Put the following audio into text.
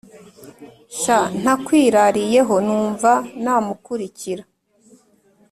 sha ntakwirariyeho numva namukurikira